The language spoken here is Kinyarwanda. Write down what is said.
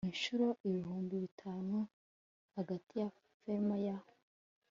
inshuro ibihumbi bitanu hagati ya fema ya